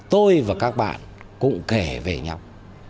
tôi và các bạn cũng kể về nhau